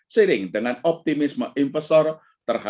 seiring dengan optimisme impositif